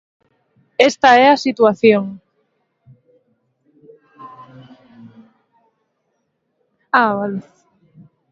Esta é a situación.